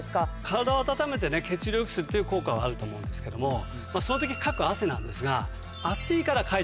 体を温めて血流をよくするという効果はあると思うんですけどもその時かく汗なんですが暑いからかいてる。